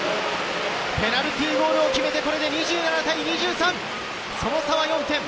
ペナルティーゴールを決めて、これで２７対２３、その差は４点。